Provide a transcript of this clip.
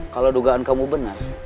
kalau dugaan kamu benar